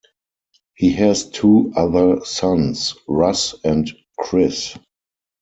He has two other sons, Russ and Chris.